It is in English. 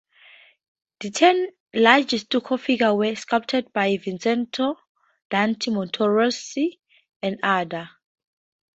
The ten large stucco figures were sculpted by Vincenzo Danti, Montorsoli and others.